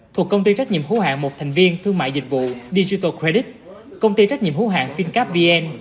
thuộc công ty trách nhiệm hữu hạng một thành viên thương mại dịch vụ digital credit công ty trách nhiệm hữu hạng fincap vn